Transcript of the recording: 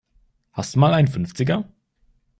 Hast du mal einen Fünfziger?